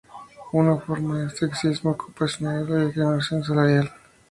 Una forma de sexismo ocupacional es la discriminación salarial.